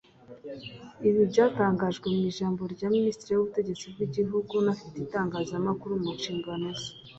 Ibi byatangajwe mu ijambo rya Minisitiri w’Ubutegetsi bw’Igihugu unafite itangazamakuru mu nshingano ze